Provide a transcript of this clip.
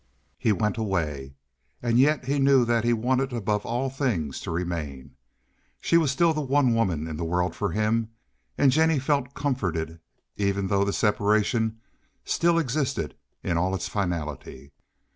He went away, and yet he knew that he wanted above all things to remain; she was still the one woman in the world for him. And Jennie felt comforted even though the separation still existed in all its finality.